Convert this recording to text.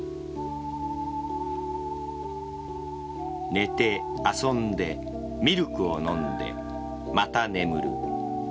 寝て、遊んでミルクを飲んで、また眠る。